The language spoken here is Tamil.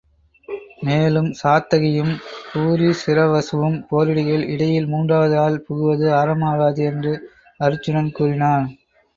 மேலும் சாத்தகியும் பூரிசிரவசுவும் போரிடுகையில் இடையில் மூன்றாவது ஆள் புகுவது அறம் ஆகாது என்று அருச்சுனன் கூறினான்.